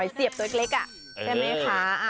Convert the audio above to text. หอยเสียบตัวอีกอะใช่มั้ยคะ